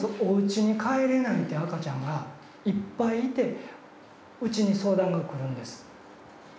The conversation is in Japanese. おうちに帰れないって赤ちゃんがいっぱいいてうちに相談が来るんです。